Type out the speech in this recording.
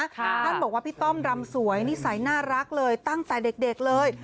ท่านบอกว่าพี่ต้อมรำสวยนิสัยน่ารักเลยตั้งแต่เด็กเลย